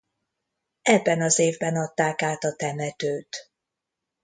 Ebben az évben adták át a temetőt.